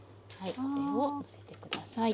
これをのせて下さい。